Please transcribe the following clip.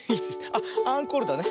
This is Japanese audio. あっアンコールだね。